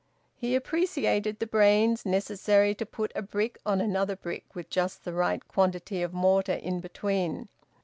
He appreciated the brains necessary to put a brick on another brick, with just the right quantity of mortar in between.